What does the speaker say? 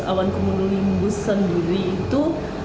awan cumulonimbus sendiri itu